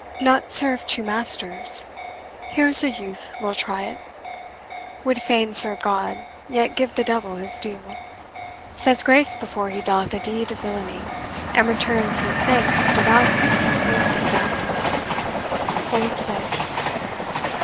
Not serve two masters? Here's a youth will try it Would fain serve God, yet give the devil his due; Says grace before he doth a deed of villainy, And returns his thanks devoutly when 'tis acted, OLD PLAY.